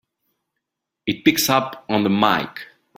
It picks up on the mike!